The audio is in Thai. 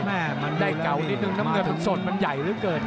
แม่มันได้เก่านิดนึงน้ำเงินมันสดมันใหญ่เหลือเกิน